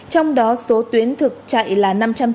trong đó số tuyến thực chạy là năm trăm tám mươi tám